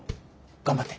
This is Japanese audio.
頑張って。